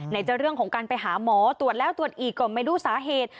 จะเรื่องของการไปหาหมอตรวจแล้วตรวจอีกก็ไม่รู้สาเหตุ